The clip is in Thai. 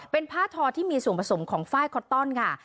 เป็นผ้าทอที่มีส่วนผสมของฝ้ายคอตตอนค่ะ